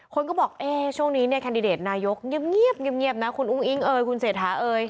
คนก็บอกช่วงนี้เนี่ยแคนดิเดตนายกเงียบนะคุณอุ้งอิงเอ่ยคุณเศรษฐาเอ่ย